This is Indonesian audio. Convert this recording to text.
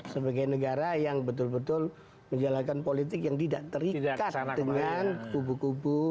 sebagai negara yang betul betul menjalankan politik yang tidak terikat dengan kubu kubu